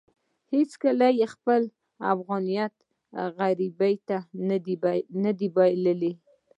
هېڅکله يې خپل افغانيت غريب نه دی بللی.